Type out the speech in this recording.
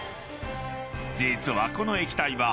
［実はこの液体は］